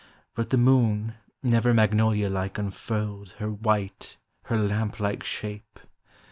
But the moon Never magnolia like unfurled Her white, her lamp like shape.